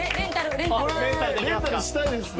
これレンタルしたいですね。